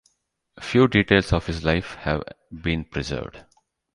Few details of his life have been preserved.